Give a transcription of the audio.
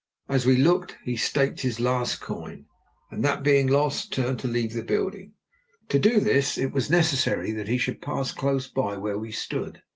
As we looked, he staked his last coin, and that being lost, turned to leave the building. To do this, it was necessary that he should pass close by where we stood.